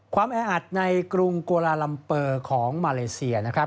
ความแอดในกรุงกวาลาลัมเปอร์ของมาเลเซียนะครับ